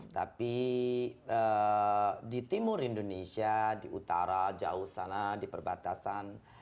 tapi di timur indonesia di utara jauh sana di perbatasan